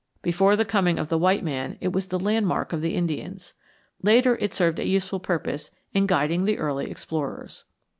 Before the coming of the white man it was the landmark of the Indians. Later it served a useful purpose in guiding the early explorers.